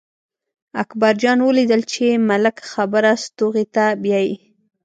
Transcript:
اکبر جان ولیدل چې ملک خبره ستوغې ته بیايي.